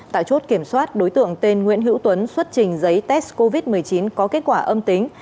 tại chốt kiểm soát đối tượng tên nguyễn hữu tuấn xuất trình giấy test covid một mươi chín có kết quả âm tính